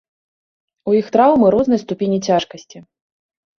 У іх траўмы рознай ступені цяжкасці.